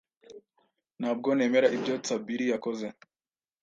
Ntabwo nemera ibyo Tsabiri yakoze.